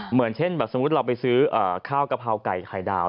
เหมือนเช่นแบบสมมุติเราไปซื้อข้าวกะเพราไก่ไข่ดาว